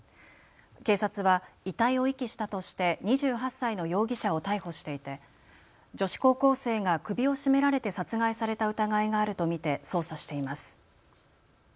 警察は遺体を遺棄したとして２８歳の容疑者を逮捕していて女子高校生が首を絞められて殺害された疑いがあると見て捜査しています。